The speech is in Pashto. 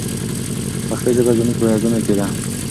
پښتو ژبه زموږ په رګونو کې ده.